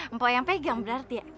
mpok yang pegang berarti ya